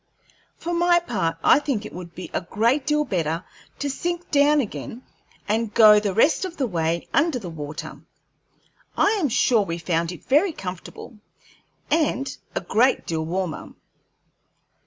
For my part, I think it would be a great deal better to sink down again and go the rest of the way under the water. I am sure we found it very comfortable, and a great deal warmer."